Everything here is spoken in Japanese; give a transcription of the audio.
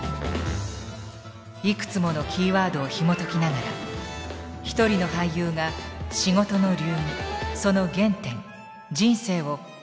いくつものキーワードをひもときながら一人の俳優が仕事の流儀その原点人生をあなたに語る。